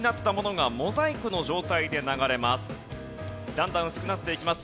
だんだん薄くなっていきます。